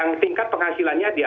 nah dengar sepertinya oke